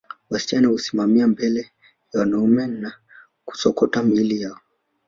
Wasichana husimama mbele ya wanaume na kusokota miili yao